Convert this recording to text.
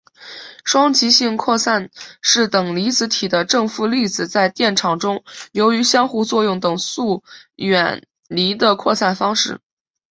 双极性扩散是等离子体的正负粒子在电场中由于相互作用等速远离的扩散方式。